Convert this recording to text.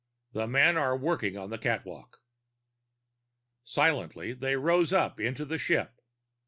"The men are working on the catwalk." Silently they rode up into the ship.